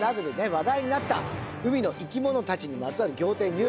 話題になった海の生き物たちにまつわる仰天ニュース